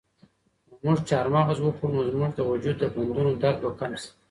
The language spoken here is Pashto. که موږ چهارمغز وخورو نو زموږ د وجود د بندونو درد به کم شي.